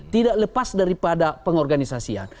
tidak lepas daripada pengorganisasian